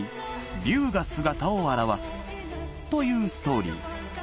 竜が姿を現すというストーリー